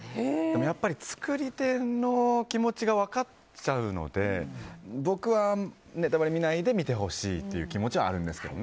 やっぱり作り手の気持ちが分かっちゃうので僕はネタバレを見ないで見てほしいって気持ちはあるんですけど。